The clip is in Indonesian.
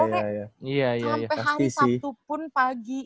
sampai hari sabtu pun pagi